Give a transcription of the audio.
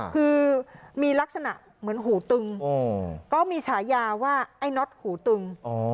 คือมีลักษณะเหมือนหูตึงก็มีฉายาว่าไอ้น็อตหูตึง